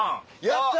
やった！